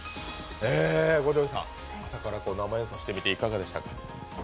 五条院さん朝から生演奏してみていかがでしたか？